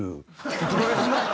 プロレスな。